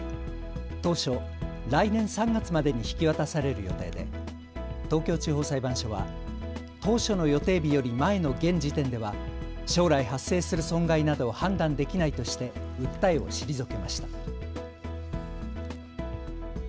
当初、来年３月までに引き渡される予定で東京地方裁判所は当初の予定日より前の現時点では将来発生する損害などを判断できないとして訴えを退けました。